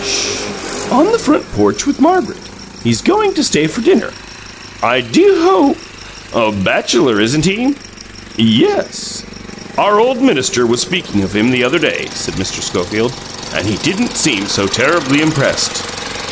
"SH! On the front porch with Margaret; he's going to stay for dinner. I do hope " "Bachelor, isn't he?" "Yes." "OUR old minister was speaking of him the other day," said Mr. Schofield, "and he didn't seem so terribly impressed."